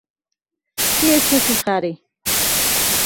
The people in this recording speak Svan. სი ეჩეჩუ ხა̈რი.